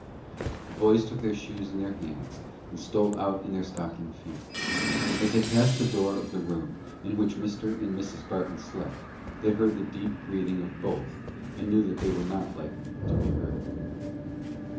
The boys took their shoes in their hands, and stole out in their stocking feet. As they passed the door of the room in which Mr. and Mrs. Barton slept, they heard the deep breathing of both, and knew that they were not likely to be heard.